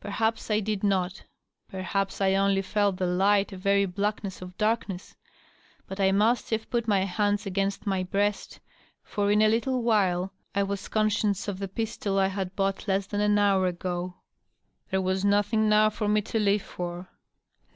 Perhaps I did not ; perhaps I only felt the light a very blackness of darkness. But I must have put my hands against my breast, for in a little while I was conscious of the pistol I had' bought less than an hour ago. There was nothing now for me to live for.